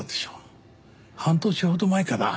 半年ほど前かな。